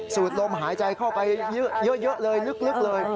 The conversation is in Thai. ลมหายใจเข้าไปเยอะเลยลึกเลย